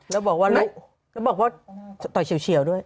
แล้วบอกว่าต่อยเฉียวด้วย